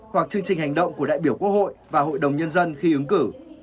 hoặc chương trình hành động của đại biểu quốc hội và hội đồng nhân dân khi ứng cử